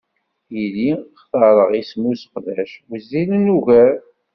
Tili xtareɣ isem useqdac wezzilen ugar.